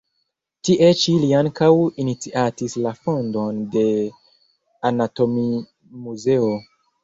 Tie ĉi li ankaŭ iniciatis la fondon de anatomimuzeo.